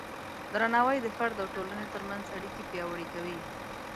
درناوی د فرد او ټولنې ترمنځ اړیکې پیاوړې کوي.